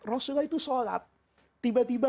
rasulullah itu sholat tiba tiba